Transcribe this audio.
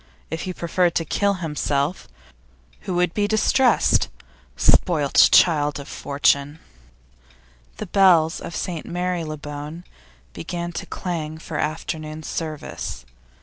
If he preferred to kill himself, who would be distressed? Spoilt child of fortune! The bells of St Marylebone began to clang for afternoon service.